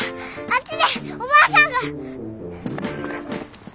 あっちでおばあさんが！